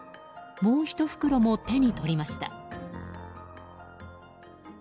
もう１袋も手に取りました。